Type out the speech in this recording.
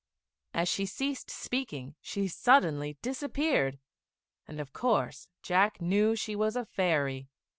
As she ceased speaking she suddenly disappeared, and of course Jack knew she was a fairy.